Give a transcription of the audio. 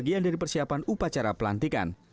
bagian dari persiapan upacara pelantikan